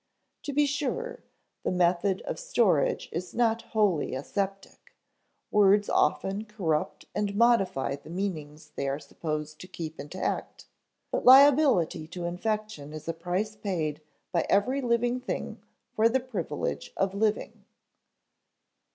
To be sure, the method of storage is not wholly aseptic; words often corrupt and modify the meanings they are supposed to keep intact, but liability to infection is a price paid by every living thing for the privilege of living.